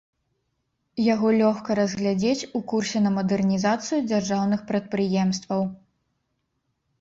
Яго лёгка разглядзець у курсе на мадэрнізацыю дзяржаўных прадпрыемстваў.